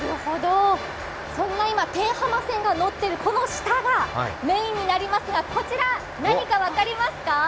そんな天浜線が乗っているこの下がメインになりますがこちら、何か分かりますか？